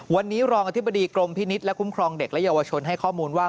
วันนี้รองอธิบดีกรมพินิษฐ์และคุ้มครองเด็กและเยาวชนให้ข้อมูลว่า